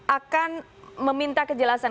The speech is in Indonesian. akan meminta kejelasan